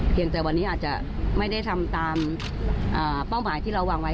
แต่วันนี้อาจจะไม่ได้ทำตามเป้าหมายที่เราวางไว้